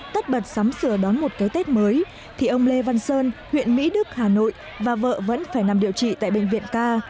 tất bật sắm sửa đón một cái tết mới thì ông lê văn sơn huyện mỹ đức hà nội và vợ vẫn phải nằm điều trị tại bệnh viện ca